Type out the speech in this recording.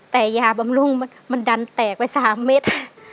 แต่ยาบำรุงมันดันแตกไป๓เม็ด